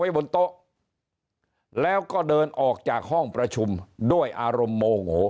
บนโต๊ะแล้วก็เดินออกจากห้องประชุมด้วยอารมณ์โมโห